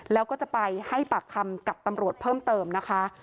แล้วก็จะไปให้ปากคำกับตำรวจเพิ่มเติมนะคะ